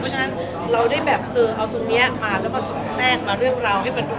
เพราะฉะนั้นเราได้แบบเออเอาตรงนี้มาแล้วมาสอดแทรกมาเรื่องราวให้มันดู